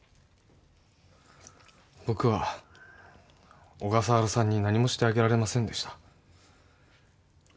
僕は小笠原さんに何もしてあげられませんでした